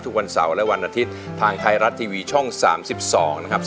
ทุกวันเสาร์และวันอาทิตย์ทางไทยรัฐทีวีช่อง๓๒นะครับ